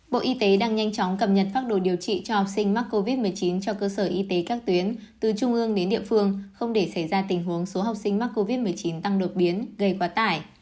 bộ y tế đang nhanh chóng cập nhật pháp đồ điều trị cho học sinh mắc covid một mươi chín cho cơ sở y tế các tuyến từ trung ương đến địa phương không để xảy ra tình huống số học sinh mắc covid một mươi chín tăng đột biến gây quá tải